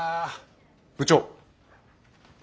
部長。